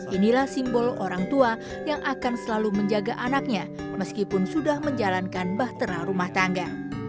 inilah simbol orang tua yang akan selalu menjaga anaknya meskipun sudah menjalankan bahtera rumah tangga